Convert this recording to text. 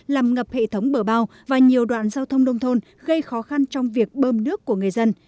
làm ngập hệ thống bờ bao và nhiều đoạn giao thông nông thôn gây khó khăn trong việc bơm nước của người dân